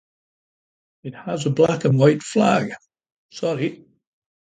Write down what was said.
It has a black and red flag.